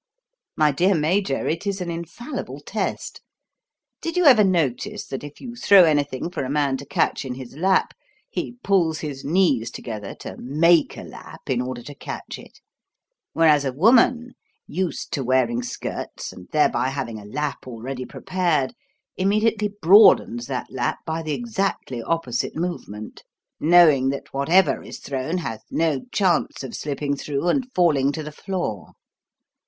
"My dear Major, it is an infallible test. Did you ever notice that if you throw anything for a man to catch in his lap, he pulls his knees together to make a lap in order to catch it; whereas a woman used to wearing skirts and, thereby, having a lap already prepared immediately broadens that lap by the exactly opposite movement, knowing that whatever is thrown has no chance of slipping through and falling to the floor.